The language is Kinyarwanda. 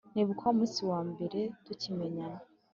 nibuka wa munsi wa mbere tukimenyana